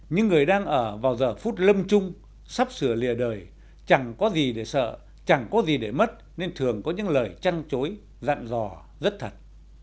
những người đang ở vào giờ phút lâm trung sắp sửa lìa đời chẳng có gì để sợ chẳng có gì để mất nên thường có những lời chăn chối dặn dò rất thật